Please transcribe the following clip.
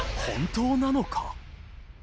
本当なのか？